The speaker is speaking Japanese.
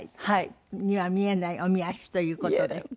はい。には見えないおみ足という事で。